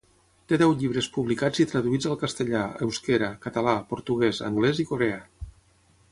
Té deu llibres publicats i traduïts al castellà, euskera, català, portuguès, anglès i coreà.